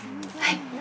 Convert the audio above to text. はい。